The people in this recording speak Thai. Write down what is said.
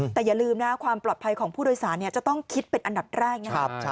แต่อย่าลืมนะความปลอดภัยของผู้โดยสารจะต้องคิดเป็นอันดับแรกนะครับ